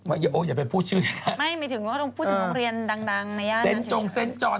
โอ๊ยอย่าไปพูดชื่อแล้ว